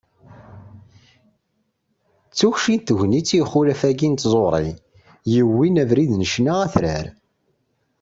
Dtukci n tegnit i yixulaf-agi n tẓuri, yewwin abrid n ccna atrar.